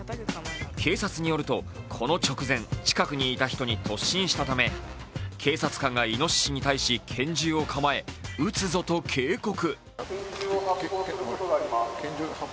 警察によると、この直前近くにいた人に突進したため警察官がいのししに対し、拳銃を構え、撃つぞと警告。